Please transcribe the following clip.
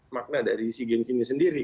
makna dari sea games ini sendiri